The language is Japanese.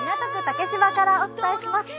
竹芝からお伝えします。